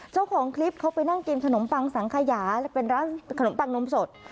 เจ้าของคลิปเขาไปนั่งกินขนมปังสังขยาและเป็นร้านขนมปังนมสด